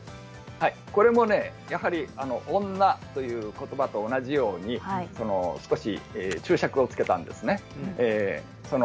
これもやはり女ということばと同じように少し注釈をつけたんですね。